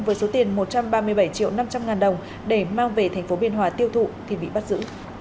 với số tiền một trăm ba mươi bảy triệu năm trăm linh ngàn đồng để mang về thành phố biên hòa tiêu thụ thì bị bắt giữ